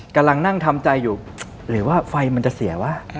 กำลังนั่งทำใจอยู่หรือว่าไฟมันจะเสียวะ